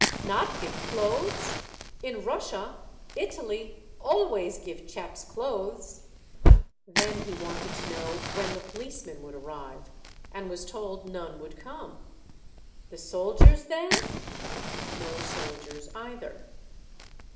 "Not give clothes? In Russia, Italy, always give chaps clothes." Then he wanted to know when the policemen would arrive, and was told none would come. "The soldiers then?" No soldiers either.